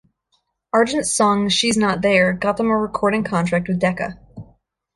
Argent's song "She's Not There" got them a recording contract with Decca.